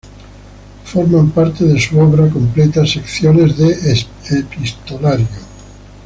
Forman parte de su Obra completa, sección D. "Epistolario".